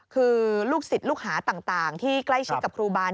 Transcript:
คือลูกศิษย์ลูกหาต่างที่ใกล้ชิดกับครูบา